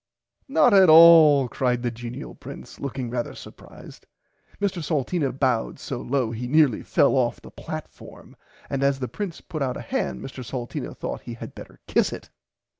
Not at all cried the genial prince looking [Pg 69] rarther supprised. Mr Salteena bowed so low he nearly fell off the platform and as the prince put out a hand Mr Salteena thought he had better kiss it.